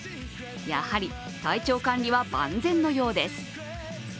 やはり体調管理は万全のようです。